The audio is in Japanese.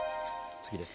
次です。